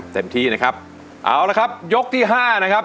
เต็มที่นะครับเอาละครับยกที่ห้านะครับ